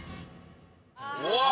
うわっ！